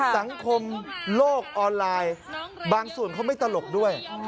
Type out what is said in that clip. สังคมโลกออนไลน์บางส่วนเขาไม่ตลกด้วย